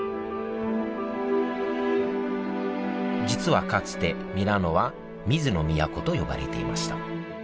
実はかつてミラノは「水の都」と呼ばれていました。